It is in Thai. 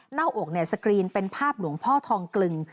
หน้าอกสกรีนเป็นภาพหลวงพ่อทองกลึง